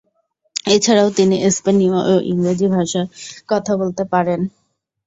এছাড়াও তিনি স্পেনীয় ও ইংরেজি ভাষায়ও কথা বলতে পারেন।